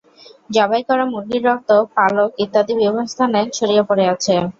জবাই করা মুরগির রক্ত, পালক ইত্যাদি বিভিন্ন স্থানে ছড়িয়ে পড়ে আছে।